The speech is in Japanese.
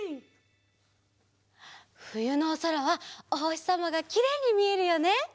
ふゆのおそらはおほしさまがきれいにみえるよね。